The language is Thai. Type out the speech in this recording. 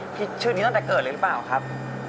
ชื่อนี้ตั้งแต่เกิดเลยหรือเปล่าครับ